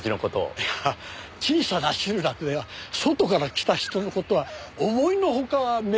いやぁ小さな集落では外から来た人の事は思いの外目立つもんでね。